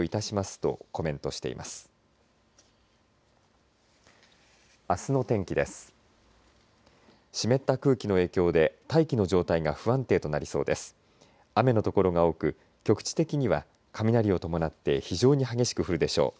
雨のところが多く局地的には雷を伴って非常に激しく降るでしょう。